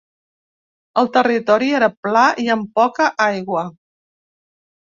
El territori era pla i amb poca aigua.